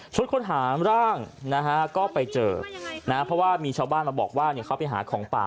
ค้นหาร่างนะฮะก็ไปเจอนะเพราะว่ามีชาวบ้านมาบอกว่าเขาไปหาของป่า